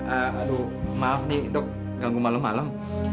aduh maaf nih dok ganggu malam malam